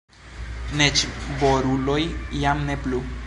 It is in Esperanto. Neĝboruloj jam ne plu.